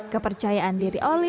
kepercayaan diri olin